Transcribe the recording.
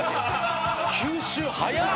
吸収早っ。